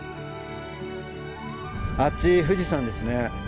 あっち富士山ですね。